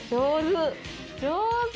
上手。